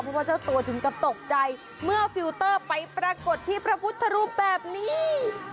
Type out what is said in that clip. เพราะว่าเจ้าตัวถึงกับตกใจเมื่อฟิลเตอร์ไปปรากฏที่พระพุทธรูปแบบนี้